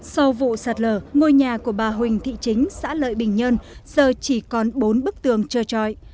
sau vụ sạt lở ngôi nhà của bà huỳnh thị chính xã lợi bình nhơn giờ chỉ còn bốn bức tường trơ trọi